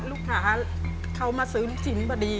ลูกค้าเขามาซื้อจิ้นประดี